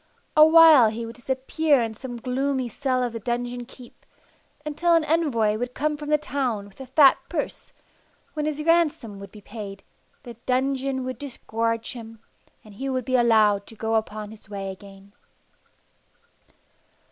A while he would disappear in some gloomy cell of the dungeon keep, until an envoy would come from the town with a fat purse, when his ransom would be paid, the dungeon would disgorge him, and he would be allowed to go upon his way again.